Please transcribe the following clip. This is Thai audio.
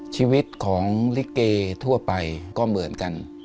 ชีวิตของลิเกทั่วไปก็เหมือนกัน